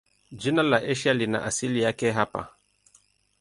Jina la Asia lina asili yake hapa.